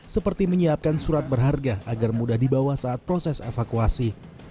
seperti menyiapkan surat berharga agar mudah dibawa saat proses evakuasi